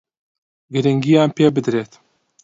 گرنگییان پێ بدرێت